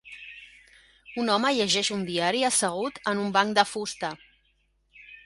Un home llegeix un diari assegut en un banc de fusta.